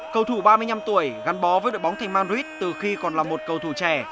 cầu thủ ba mươi năm tuổi gắn bó với đội bóng thành madrid từ khi còn là một cầu thủ trẻ